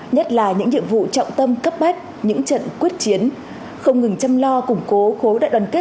nhất là những nhiệm vụ trọng tâm cấp bách những trận quyết chiến không ngừng chăm lo củng cố khối đại đoàn kết